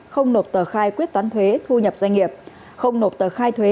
không nộp tờ khai quyết toán thuế thu nhập doanh nghiệp không nộp tờ khai thuế